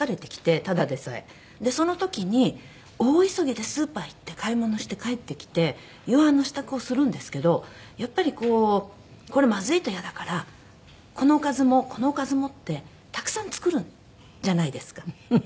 その時に大急ぎでスーパー行って買い物して帰ってきて夕飯の支度をするんですけどやっぱりこうこれまずいとイヤだからこのおかずもこのおかずもってたくさん作るじゃないですか。